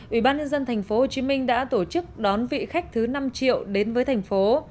ủy ban nhân dân tp hcm đã tổ chức đón vị khách thứ năm triệu đến với thành phố